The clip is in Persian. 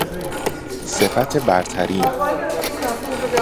صفت برترین